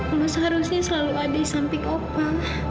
emang seharusnya selalu ada di samping opa